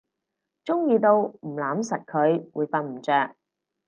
中意到唔攬實佢會瞓唔著